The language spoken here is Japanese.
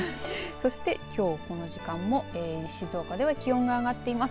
そしてきょうこの時間も静岡では気温が上がっています。